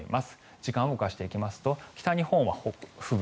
時間を動かしていきますと北日本は吹雪。